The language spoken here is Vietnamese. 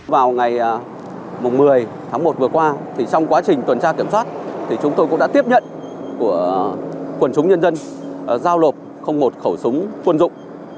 vào ngày một mươi tháng một vừa qua trong quá trình tuần tra kiểm soát chúng tôi cũng đã tiếp nhận của quần chúng nhân dân giao lộp không một khẩu súng quân dụng